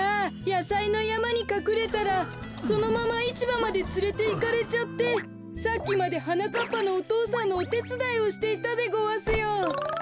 やさいのやまにかくれたらそのままいちばまでつれていかれちゃってさっきまではなかっぱのお父さんのおてつだいをしていたでごわすよ。